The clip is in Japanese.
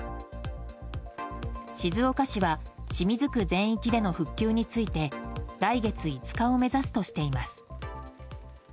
静岡市は清水区全域での復旧について来月５日を目指すとしています。